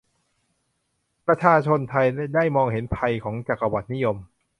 ประชาชนไทยได้มองเห็นภัยของจักรวรรดินิยม